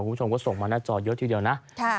คุณผู้ชมก็ส่งมาหน้าจอเยอะทีเดียวนะ